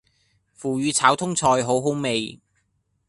腐乳炒通菜好好味